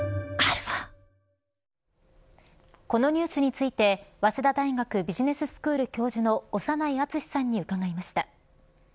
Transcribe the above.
このニュースについて早稲田大学ビジネススクール教授の長内厚さんに伺いました。